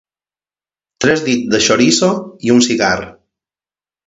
Tres dits de xoriço i un cigar